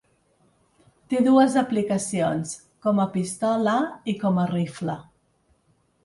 Té dues aplicacions: com a pistola i com a rifle.